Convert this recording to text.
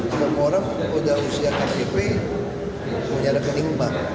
semua orang udah usia iktp punya rekening bank